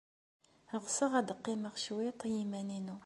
Ɣseɣ ad qqimeɣ cwiṭ i yiman-inu.